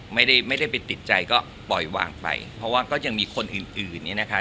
ไม่ได้ไม่ได้ไปติดใจก็ปล่อยวางไปเพราะว่าก็ยังมีคนอื่นอื่นเนี่ยนะคะ